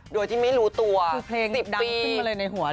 โดยที่ไม่รู้ตัว๑๐ปี